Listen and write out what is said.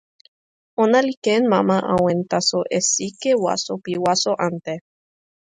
ona li ken mama awen taso e sike waso pi waso ante.